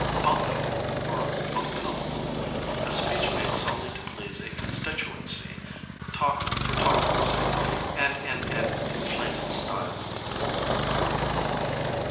Bunkum or buncombe, a speech made solely to please a constituency; talk for talking's sake, and in an inflated style.